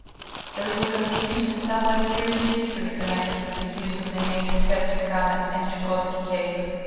There is a confused and somewhat curious history connected with the use of the names Serdze Kamen and Chukotski Cape.